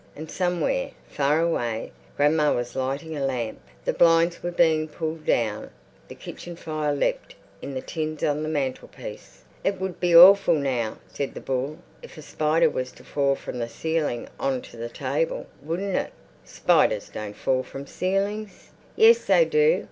And somewhere, far away, grandma was lighting a lamp. The blinds were being pulled down; the kitchen fire leapt in the tins on the mantelpiece. "It would be awful now," said the bull, "if a spider was to fall from the ceiling on to the table, wouldn't it?" "Spiders don't fall from ceilings." "Yes, they do.